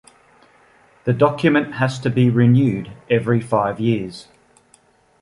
The document has to be renewed every five years.